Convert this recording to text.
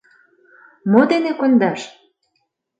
Мо дене кондаш?